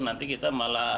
nanti kita akan berbicara